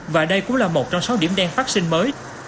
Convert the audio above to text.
và đây cũng là một trong sáu điểm đen phát sinh mới